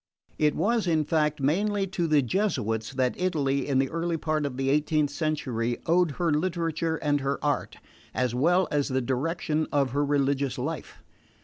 It was in fact mainly to the Jesuits that Italy, in the early part of the eighteenth century, owed her literature and her art, as well as the direction of her religious life.